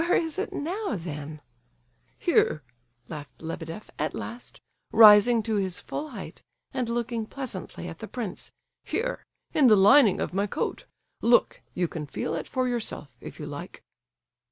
"Where is it now, then?" "Here," laughed Lebedeff, at last, rising to his full height and looking pleasantly at the prince, "here, in the lining of my coat. Look, you can feel it for yourself, if you like!"